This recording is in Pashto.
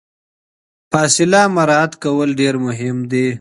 فاصله مراعات کول ډیر مهم دي.